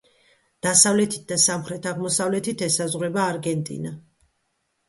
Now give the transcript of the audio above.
დასავლეთით და სამხრეთ-აღმოსავლეთით ესაზღვრება არგენტინა.